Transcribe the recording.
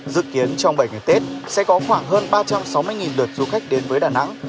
dự kiến trong bảy ngày tết sẽ có khoảng hơn ba trăm sáu mươi lượt du khách đến với đà nẵng